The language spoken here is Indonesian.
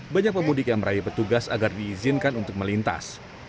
banyak pemudik yang meraih petugas agar diizinkan untuk melintas